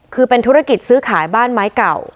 คือเป็นธุรกิจซื้อขายบ้านไม้เก่า